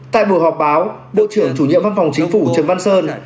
tại buổi họp báo bộ trưởng chủ nhiệm văn phòng chính phủ trần văn sơn